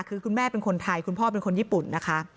คือคุณแม่เป็นคนไทยคุณพ่อเป็นคนญี่ปุ่นนะคะ